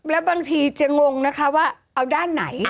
แล้วบางทีจะงงนะคะว่าเอาด้านไหน